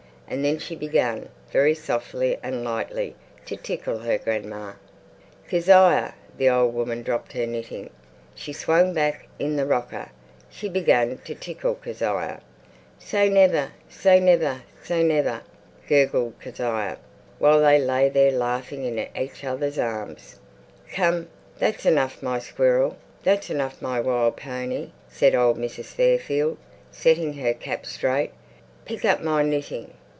And then she began, very softly and lightly, to tickle her grandma. "Kezia!" The old woman dropped her knitting. She swung back in the rocker. She began to tickle Kezia. "Say never, say never, say never," gurgled Kezia, while they lay there laughing in each other's arms. "Come, that's enough, my squirrel! That's enough, my wild pony!" said old Mrs. Fairfield, setting her cap straight. "Pick up my knitting."